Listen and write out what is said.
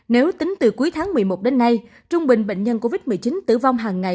nếu tính từ cuối tháng một mươi một đến nay trung bình bệnh nhân covid một mươi chín tử vong hàng ngày